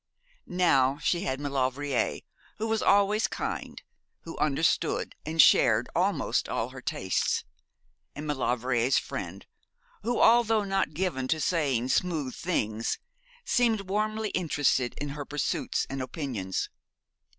Now she had Maulevrier, who was always kind, who understood and shared almost all her tastes, and Maulevrier's friend, who, although not given to saying smooth things, seemed warmly interested in her pursuits and opinions.